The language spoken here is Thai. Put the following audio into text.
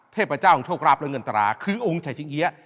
เทพเจ้าของโชคราบเริ่มอันตราคือองค์ชัยชิงเฮีย